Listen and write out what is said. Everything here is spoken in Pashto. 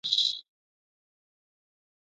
په جرمني ژبه د یوه بایلونکي خاطرات لیکل شوي وو